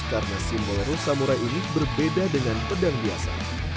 karena simbol samurai ini berbeda dengan pedang biasa